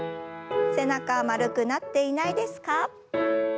背中丸くなっていないですか？